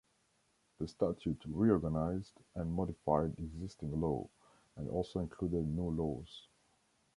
The statute re-organized and modified existing law, and also included new laws.